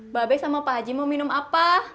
babes sama pak haji mau minum apa